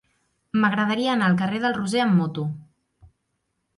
M'agradaria anar al carrer del Roser amb moto.